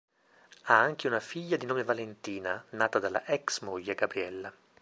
Ha anche una figlia di nome Valentina, nata dalla ex-moglie Gabriella.